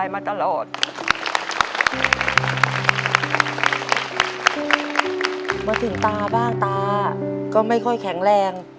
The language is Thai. มาถึงตาบ้างตาก็ไม่ค่อยแข็งแรง